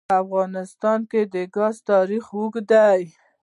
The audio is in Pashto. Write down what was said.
په افغانستان کې د ګاز تاریخ اوږد دی.